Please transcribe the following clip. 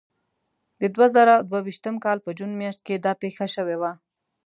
د دوه زره دوه ویشتم کال په جون میاشت کې دا پېښه شوې وه.